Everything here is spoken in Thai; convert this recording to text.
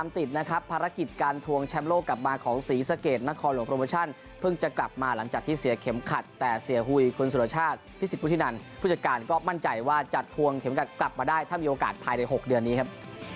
ติดนะครับภารกิจการทวงแชมป์โลกกลับมาของศรีสะเกดนครหลวงโปรโมชั่นเพิ่งจะกลับมาหลังจากที่เสียเข็มขัดแต่เสียหุยคุณสุรชาติพิสิทธวุฒินันผู้จัดการก็มั่นใจว่าจะทวงเข็มขัดกลับมาได้ถ้ามีโอกาสภายใน๖เดือนนี้ครับ